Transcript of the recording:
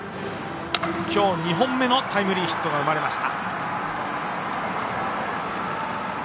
今日２本目のタイムリーヒットが生まれました。